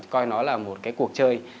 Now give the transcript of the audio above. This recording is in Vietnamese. coi nó là một cái cuộc chơi